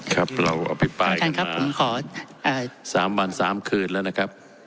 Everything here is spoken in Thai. ครับเราอภิปรายมา๓วัน๓คืนแล้วนะนะครับ